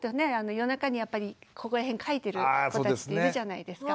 夜中にやっぱりここら辺かいてる子たちっているじゃないですか。